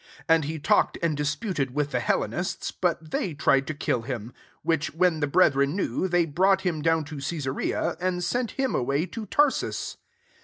And he talked and dis puted with the Hellenists ; but they tried to kill him : 30 which when the brethren knew, they brought him down to Cesarean and setit him away to Tarsus.